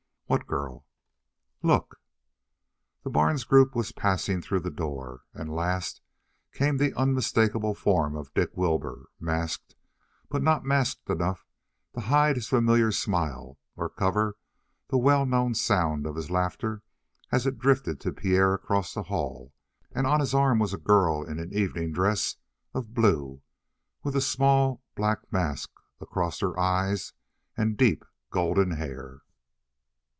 "What girl?" "Look!" The Barnes group was passing through the door, and last came the unmistakable form of Dick Wilbur, masked, but not masked enough to hide his familiar smile or cover the well known sound of his laughter as it drifted to Pierre across the hall, and on his arm was a girl in an evening dress of blue, with a small, black mask across her eyes, and deep golden hair.